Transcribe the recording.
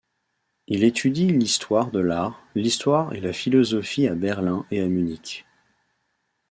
Il étudie l'histoire de l'art, l'histoire et la philosophie à Berlin et à Munich.